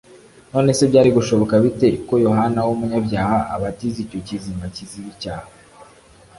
None se byari gushoboka bite ko Yohana w'umunyabyaha abatiza icyo kizima kizira icyaha ?